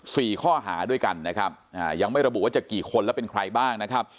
สี่ข้อหาด้วยกันนะครับอ่ายังไม่ระบุว่าจะกี่คนแล้วเป็นใครบ้างนะครับ